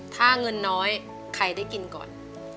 ถ้าเงินน้อยใครได้กินก่อน